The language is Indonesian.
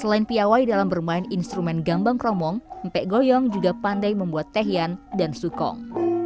selain piawai dalam bermain instrumen gambang kromong mpek goyong juga pandai membuat tehian dan sukong